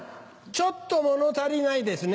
ちょっと物足りないですね。